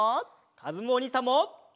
かずむおにいさんも！